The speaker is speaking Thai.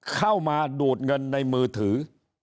เข้ามาดูดเงินในมือถือ